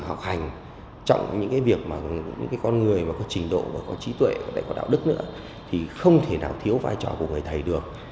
người việt là người trọng những việc mà những con người có trình độ có trí tuệ có đạo đức nữa thì không thể nào thiếu vai trò của người thầy được